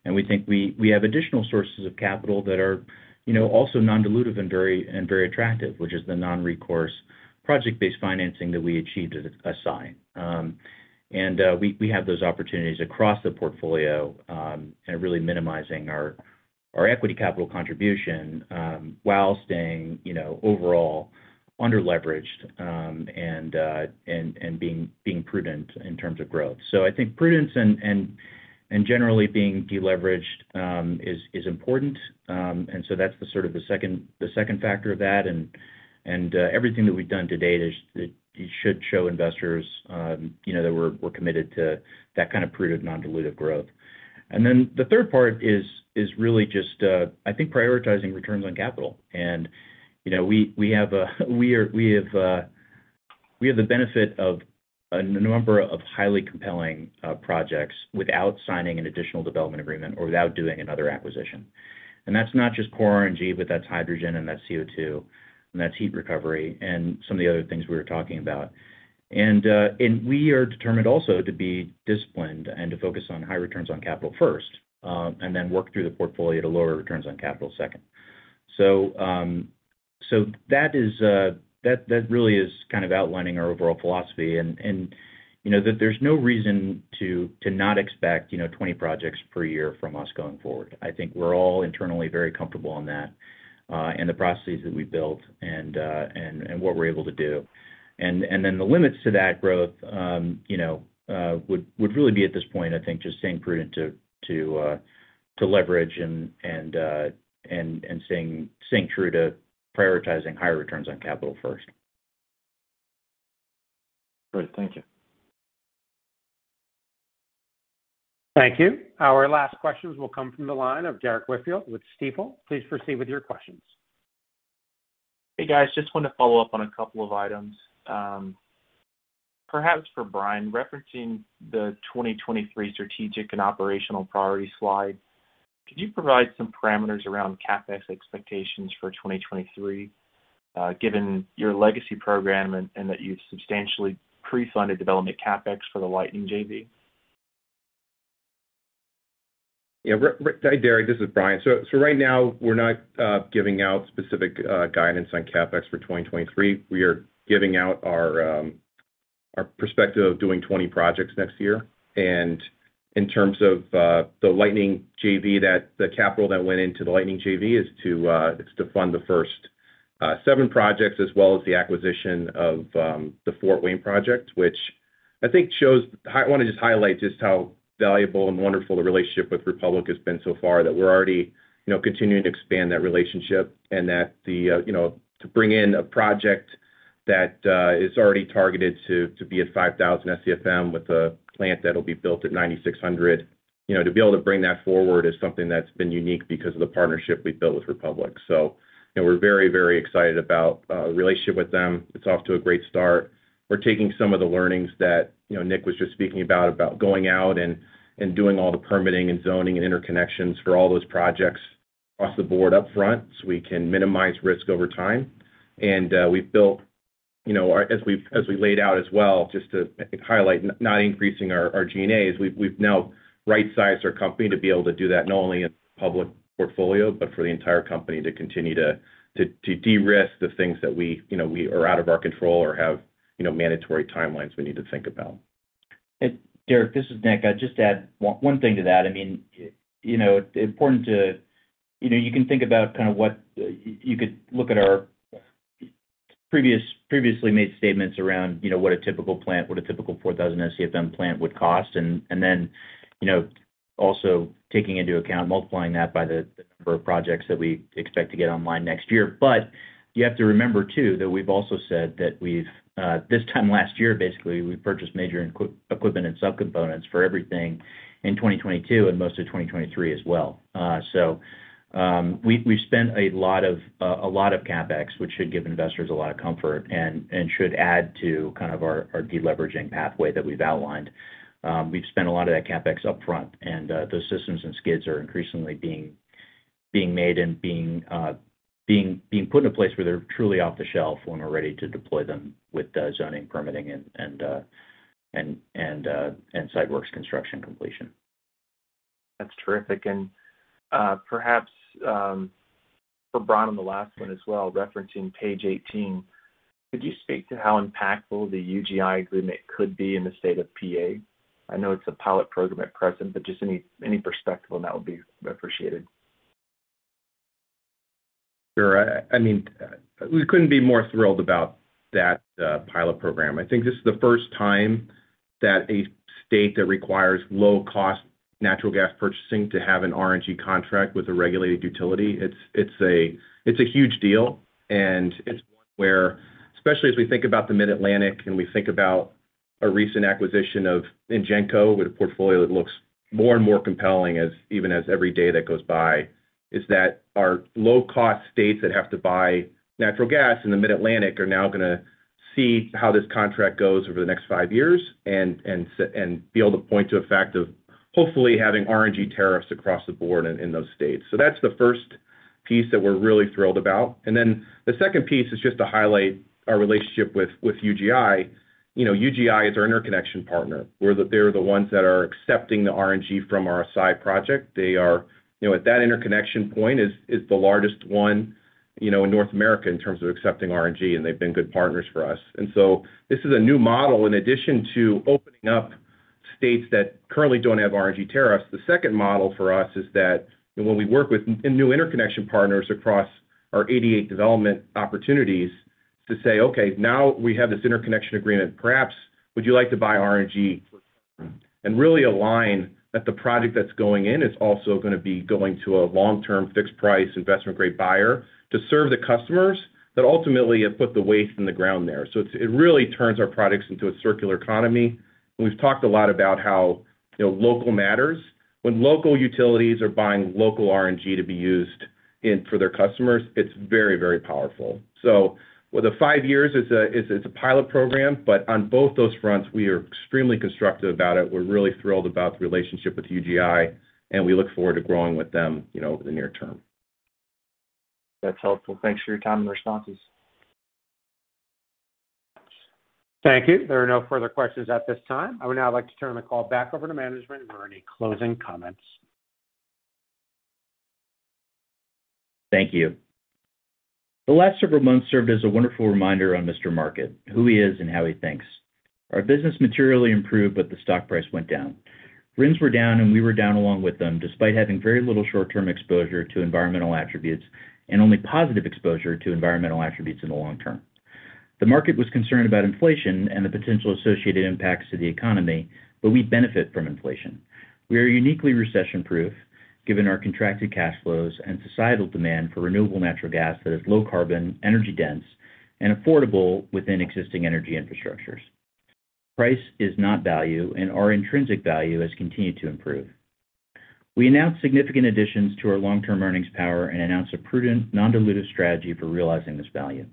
We think we have additional sources of capital that are, you know, also non-dilutive and very attractive, which is the non-recourse project-based financing that we achieved at Assai. We have those opportunities across the portfolio, and really minimizing our equity capital contribution while staying, you know, overall underleveraged and being prudent in terms of growth. I think prudence and generally being deleveraged is important. That's sort of the second factor of that. Everything that we've done to date is. It should show investors, you know, that we're committed to that kind of prudent non-dilutive growth. The third part is really just, I think, prioritizing returns on capital. You know, we have the benefit of a number of highly compelling projects without signing an additional development agreement or without doing another acquisition. That's not just core RNG, but that's hydrogen and that's CO₂ and that's heat recovery and some of the other things we were talking about. We are determined also to be disciplined and to focus on high returns on capital first, and then work through the portfolio to lower returns on capital second. That is, that really is kind of outlining our overall philosophy. You know, there's no reason to not expect, you know, 20 projects per year from us going forward. I think we're all internally very comfortable on that, and the processes that we've built and what we're able to do. then the limits to that growth, you know, would really be at this point, I think just staying prudent to leverage and staying true to prioritizing higher returns on capital first. Great. Thank you. Thank you. Our last questions will come from the line of Derrick Whitfield with Stifel. Please proceed with your questions. Hey, guys. Just wanted to follow up on a couple of items. Perhaps for Brian, referencing the 2023 strategic and operational priority slide, could you provide some parameters around CapEx expectations for 2023, given your legacy program and that you've substantially pre-funded development CapEx for the Lightning JV? Hi, Derrick. This is Brian. Right now we're not giving out specific guidance on CapEx for 2023. We are giving out our perspective of doing 20 projects next year. In terms of the Lightning JV, the capital that went into the Lightning JV is to fund the first seven projects as well as the acquisition of the Fort Wayne project, which I think, I wanna just highlight just how valuable and wonderful the relationship with Republic has been so far, that we're already, you know, continuing to expand that relationship and that the, you know, to bring in a project that is already targeted to be at 5,000 SCFM with a plant that'll be built at 9,600, you know, to be able to bring that forward is something that's been unique because of the partnership we've built with Republic. You know, we're very, very excited about our relationship with them. It's off to a great start. We're taking some of the learnings that, you know, Nick was just speaking about going out and doing all the permitting and zoning and interconnections for all those projects across the board up front so we can minimize risk over time. As we've laid out as well, just to highlight, not increasing our G&A, we've now right-sized our company to be able to do that not only in public portfolio, but for the entire company to continue to de-risk the things that we, you know, are out of our control or have, you know, mandatory timelines we need to think about. Hey, Derek, this is Nick. I'd just add one thing to that. I mean, you know, important to. You know, you can think about kind of what you could look at our previously made statements around, you know, what a typical plant, what a typical 4,000 SCFM plant would cost. Then, you know, also taking into account multiplying that by the number of projects that we expect to get online next year. You have to remember too, that we've also said that we've this time last year, basically, we've purchased major equipment and subcomponents for everything in 2022 and most of 2023 as well. So, we've spent a lot of CapEx, which should give investors a lot of comfort and should add to kind of our deleveraging pathway that we've outlined. We've spent a lot of that CapEx upfront, and those systems and skids are increasingly being made and being put in a place where they're truly off the shelf when we're ready to deploy them with the zoning permitting and site works construction completion. That's terrific. Perhaps, for Brian on the last one as well, referencing page 18, could you speak to how impactful the UGI agreement could be in the state of PA? I know it's a pilot program at present, but just any perspective on that would be appreciated. I mean, we couldn't be more thrilled about that pilot program. I think this is the first time that a state that requires low-cost natural gas purchasing to have an RNG contract with a regulated utility. It's a huge deal, and it's one where, especially as we think about the Mid-Atlantic and we think about a recent acquisition of Ingenco with a portfolio that looks more and more compelling as even as every day that goes by, it's that our low-cost states that have to buy natural gas in the Mid-Atlantic are now gonna see how this contract goes over the next five years and be able to point to a fact of hopefully having RNG tariffs across the board in those states. That's the first piece that we're really thrilled about. Then the second piece is just to highlight our relationship with UGI. You know, UGI is our interconnection partner, where they're the ones that are accepting the RNG from our site project. They are. You know, at that interconnection point is the largest one, you know, in North America in terms of accepting RNG, and they've been good partners for us. This is a new model. In addition to opening up states that currently don't have RNG tariffs. The second model for us is that when we work with new interconnection partners across our 88 development opportunities to say, "Okay, now we have this interconnection agreement. Perhaps would you like to buy RNG for term?" Really align that the project that's going in is also gonna be going to a long-term fixed price investment-grade buyer to serve the customers that ultimately have put the waste in the ground there. It really turns our products into a circular economy. We've talked a lot about how, you know, local matters. When local utilities are buying local RNG to be used for their customers, it's very, very powerful. With the five years, it's a pilot program, but on both those fronts, we are extremely constructive about it. We're really thrilled about the relationship with UGI, and we look forward to growing with them, you know, over the near term. That's helpful. Thanks for your time and responses. Thank you. There are no further questions at this time. I would now like to turn the call back over to management for any closing comments. Thank you. The last several months served as a wonderful reminder on Mr. Market, who he is and how he thinks. Our business materially improved, but the stock price went down. RINs were down, and we were down along with them, despite having very little short-term exposure to environmental attributes and only positive exposure to environmental attributes in the long term. The market was concerned about inflation and the potential associated impacts to the economy, but we benefit from inflation. We are uniquely recession-proof, given our contracted cash flows and societal demand for renewable natural gas that is low carbon, energy dense, and affordable within existing energy infrastructures. Price is not value, and our intrinsic value has continued to improve. We announced significant additions to our long-term earnings power and announced a prudent, non-dilutive strategy for realizing this value.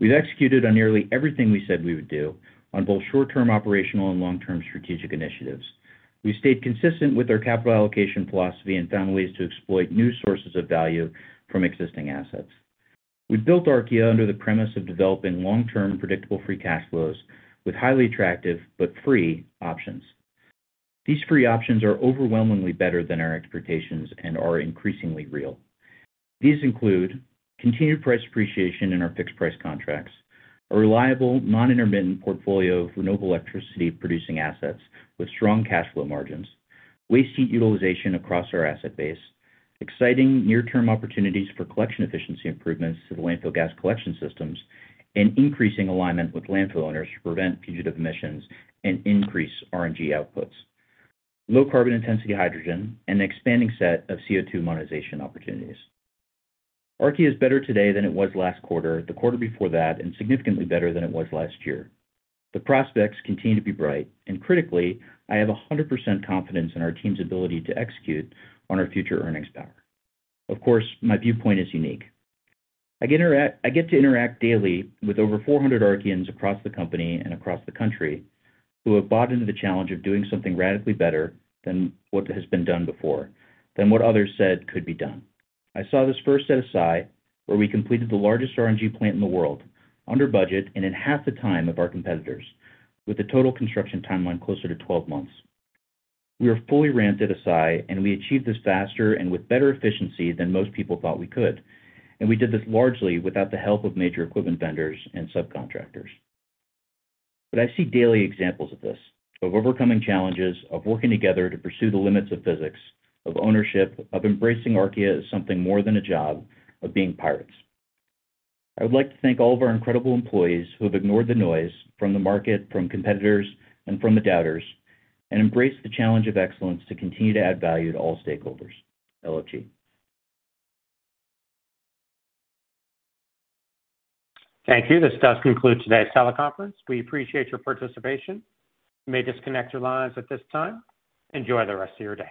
We've executed on nearly everything we said we would do on both short-term operational and long-term strategic initiatives. We stayed consistent with our capital allocation philosophy and found ways to exploit new sources of value from existing assets. We built Archaea under the premise of developing long-term, predictable free cash flows with highly attractive but free options. These free options are overwhelmingly better than our expectations and are increasingly real. These include continued price appreciation in our fixed-price contracts, a reliable, non-intermittent portfolio of renewable electricity-producing assets with strong cash flow margins, waste heat utilization across our asset base, exciting near-term opportunities for collection efficiency improvements to the landfill gas collection systems, and increasing alignment with landfill owners to prevent fugitive emissions and increase RNG outputs, low carbon intensity hydrogen, and an expanding set of CO₂ monetization opportunities. Archaea is better today than it was last quarter, the quarter before that, and significantly better than it was last year. The prospects continue to be bright, and critically, I have 100% confidence in our team's ability to execute on our future earnings power. Of course, my viewpoint is unique. I get to interact daily with over 400 Archaeans across the company and across the country who have bought into the challenge of doing something radically better than what has been done before, than what others said could be done. I saw this first at Assai, where we completed the largest RNG plant in the world under budget and in half the time of our competitors, with the total construction timeline closer to 12 months. We are fully ramped at Assai, and we achieved this faster and with better efficiency than most people thought we could, and we did this largely without the help of major equipment vendors and subcontractors. I see daily examples of this, of overcoming challenges, of working together to pursue the limits of physics, of ownership, of embracing Archaea as something more than a job, of being pirates. I would like to thank all of our incredible employees who have ignored the noise from the market, from competitors, and from the doubters, and embraced the challenge of excellence to continue to add value to all stakeholders. LFG. Thank you. This does conclude today's teleconference. We appreciate your participation. You may disconnect your lines at this time. Enjoy the rest of your day.